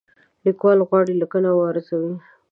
لیکوال غواړي لیکنه وارزوي.